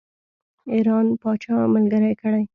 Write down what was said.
ایران پاچا ملګری کړي.